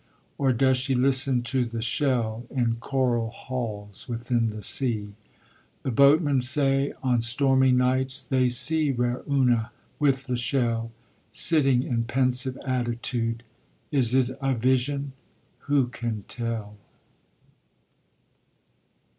Or does she listen to the shell In coral halls within the sea? The boatmen say on stormy nights They see rare Una with the shell, Sitting in pensive attitude, Is it a vision? Who can tell?